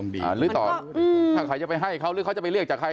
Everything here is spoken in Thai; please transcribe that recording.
หรือต่อถ้าใครจะไปให้เขาหรือเขาจะไปเรียกจากใคร